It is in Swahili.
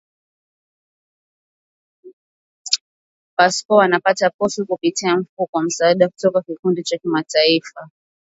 Pascoe anapata posho kupitia mfuko wa msaada kutoka Kikundi cha Kimataifa